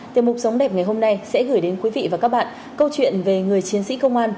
tiếp mục sống đẹp ngày hôm nay sẽ gửi đến quý vị và các bạn câu chuyện về người chiến sĩ công an